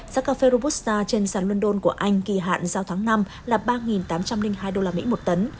giá cà phê robusta trên sàn london của anh kỳ hạn giao tháng năm là ba tám trăm linh hai đô la mỹ một tấn